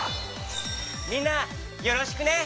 みんなよろしくね！